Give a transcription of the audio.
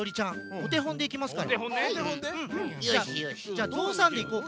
じゃあ「ぞうさん」でいこうか。